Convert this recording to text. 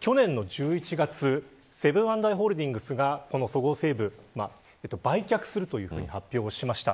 去年の１１月セブン＆アイ・ホールディングスがそごう・西武を売却すると発表しました。